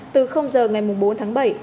từ h ngày bốn tháng bảy